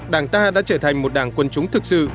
đảng ta đã trở thành một đảng quân chúng thực sự